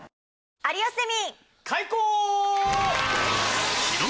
『有吉ゼミ』。